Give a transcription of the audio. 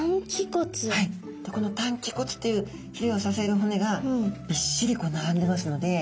この担鰭骨っていうひれを支える骨がびっしり並んでますので。